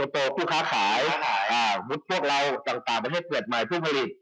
พวกเราก็ตามให้ทางตามให้เปิดมาให้ผู้ผลิต